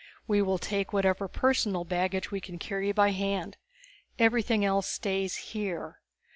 We will take whatever personal baggage we can carry by hand; everything else stays here.